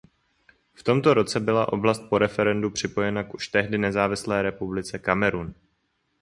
V tomto roce byla oblast po referendu připojena k už tehdy nezávislé republice Kamerun.